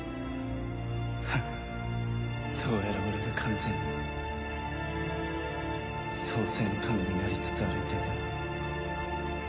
フッどうやら俺が完全に創世の神になりつつあるみたいだな。